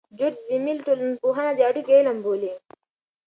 جورج زیمل ټولنپوهنه د اړیکو علم بولي.